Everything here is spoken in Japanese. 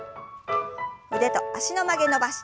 腕と脚の曲げ伸ばし。